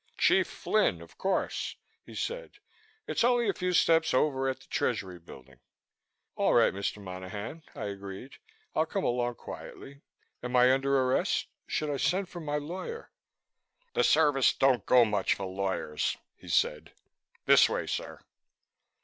"Chief Flynn, of course," he said. "It's only a few steps over at the the Treasury Building." "All right, Mr. Monaghan," I agreed. "I'll come along quietly. Am I under arrest? Should I send for my lawyer?" "The Service don't go much for lawyers," he said. "This way, sir."